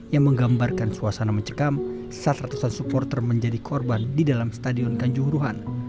yang menggambarkan suasana mencekam saat ratusan supporter menjadi korban di dalam stadion kanjuruhan